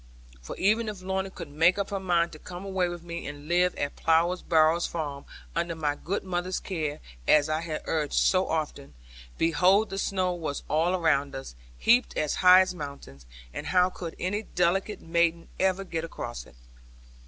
For even if Lorna could make up her mind to come away with me and live at Plover's Barrows farm, under my good mother's care, as I had urged so often, behold the snow was all around us, heaped as high as mountains, and how could any delicate maiden ever get across it?